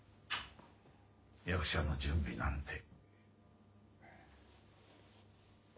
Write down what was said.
役者の準備なんて。